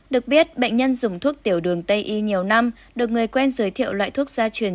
được biết bệnh nhân dùng thuốc tiểu đường tây y nhiều năm được người quen giới thiệu loại thuốc gia truyền